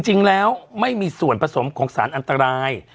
จริงแล้วไม่มีส่วนผสมของสารอันตราย